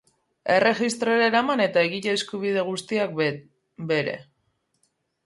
Erregistrora eraman eta egile eskubide guztiak bere.